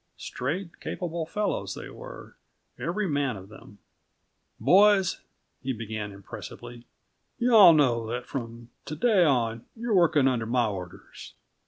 Straight, capable fellows they were, every man of them. "Boys," he began impressively, "you all know that from to day on you're working under my orders.